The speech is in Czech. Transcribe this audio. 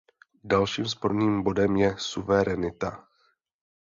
Dalším sporným bodem je suverenita.